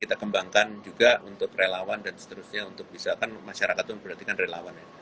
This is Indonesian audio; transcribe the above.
kita kembangkan juga untuk relawan dan seterusnya untuk bisa kan masyarakat itu memperhatikan relawannya